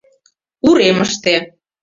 — Уремыште...